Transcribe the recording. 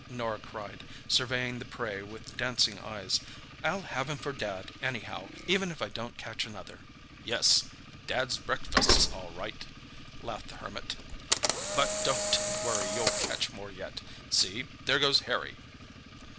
Norah cried, surveying the prey with dancing eyes. "I'll have him for Dad, anyhow, even if I don't catch another." "Yes, Dad's breakfast's all right," laughed the Hermit. "But don't worry, you'll catch more yet. See, there goes Harry."